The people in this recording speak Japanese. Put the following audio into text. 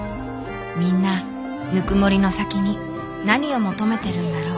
みんなぬくもりの先に何を求めてるんだろう。